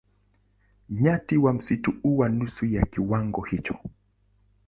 Nyati wa msitu huwa nusu ya kiwango hicho.